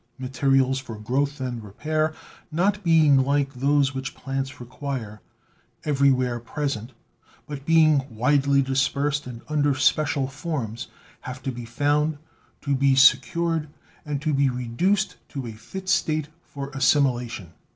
Materials for growth and repair not being, like those which plants require, everywhere present, but being widely dispersed and under special forms, have to be found, to be secured, and to be reduced to a fit state for assimilation.